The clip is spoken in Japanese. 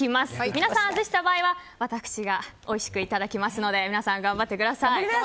皆さん、外した場合は私がおいしくいただきますので皆さん、頑張ってください。